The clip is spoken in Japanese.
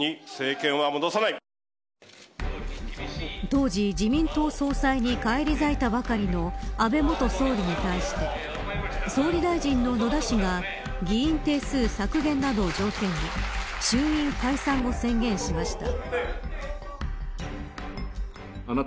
当時、自民党総裁に返り咲いたばかりの安倍元総理に対して総理大臣の野田氏が議員定数削減などを条件に衆院解散を宣言しました。